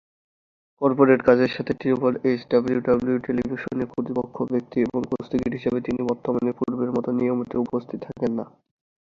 Corporate কাজের সাথে triple H WWE টেলিভিশনে কর্তৃপক্ষ ব্যক্তি এবং কুস্তিগির হিসেবে তিনি বর্তমানে পূর্বের মত নিয়মিত উপস্থিত থাকেন না।